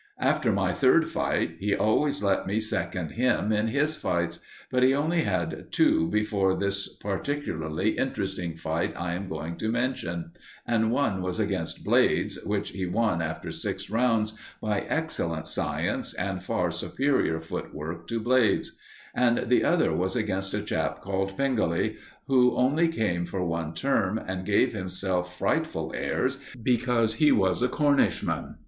After my third fight, he always let me second him in his fights; but he only had two before this particularly interesting fight I am going to mention; and one was against Blades, which he won after six rounds by excellent science and far superior footwork to Blades; and the other was against a chap called Pengelly, who only came for one term and gave himself frightful airs because he was a Cornishman.